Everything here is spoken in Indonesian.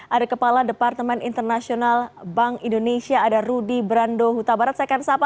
ada kepala departemen internasional bank indonesia ada rudy brando huta barat saya akan sapa